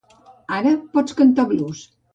Ara, pots cantar blues.